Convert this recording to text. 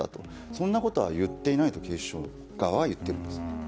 そんなことは言っていないと警視庁側は言っています。